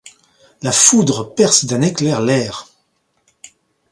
La foudre perce d'un éclair L'air.